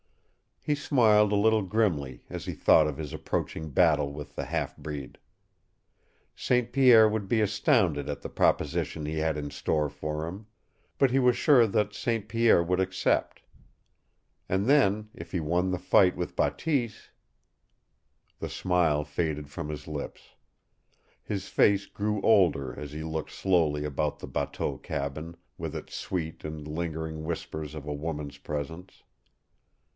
He smiled a little grimly as he thought of his approaching battle with the half breed. St. Pierre would be astounded at the proposition he had in store for him. But he was sure that St. Pierre would accept. And then, if he won the fight with Bateese The smile faded from his lips. His face grew older as he looked slowly about the bateau cabin, with its sweet and lingering whispers of a woman's presence.